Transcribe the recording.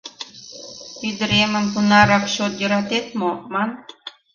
Ӱдыремым тунарак чот йӧратет мо, ман.